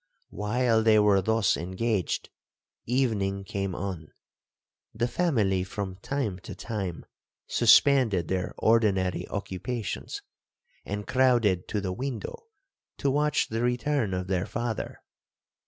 While they were thus engaged, evening came on,—the family from time to time suspended their ordinary occupations, and crowded to the window to watch the return of their father.